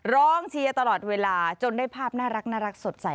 เชียร์ตลอดเวลาจนได้ภาพน่ารักสดใส